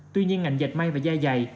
tuy nhiên ngành dẹp may và da dày